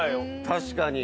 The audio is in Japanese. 確かに。